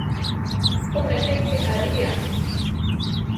Ko, nejé ké aria!